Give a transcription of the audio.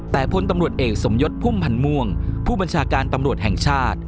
แต่พลตำรวจเอกสมยศพุ่มพันธ์ม่วงผู้บัญชาการตำรวจแห่งชาติ